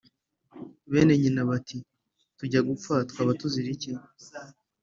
Bene nyina bati: "Tujya gupfa twaba tuzira iki?"